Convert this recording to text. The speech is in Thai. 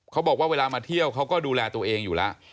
เขาบอกว่าเวลามาเที่ยวเขาก็ดูแลตัวเองอยู่แล้ว